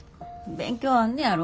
勉強あんねやろ。